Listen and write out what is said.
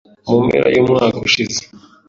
mu mpera y'umwaka ushize